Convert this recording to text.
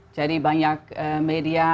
jadi banyak media